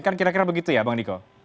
kan kira kira begitu ya bang niko